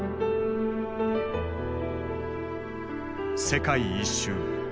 世界一周。